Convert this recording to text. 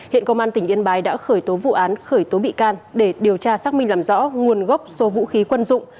hiện công an tỉnh yên bái đã khởi tố vụ án khởi tố bị can để điều tra xác minh làm rõ nguồn gốc số vũ khí quân dụng